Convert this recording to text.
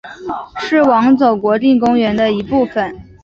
是网走国定公园的一部分。